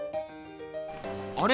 あれ？